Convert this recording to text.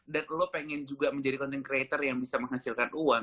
dan lo pengen juga menjadi content creator yang bisa menghasilkan uang